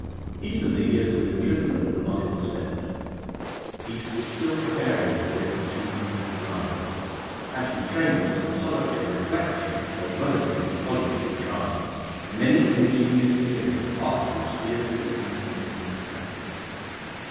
Even the years of imprisonment were not ill spent. Peace was still preparing the great achievement of his life, and he framed from solitary reflection as well as from his colleagues in crime many an ingenious theory afterwards fearlessly translated into practice.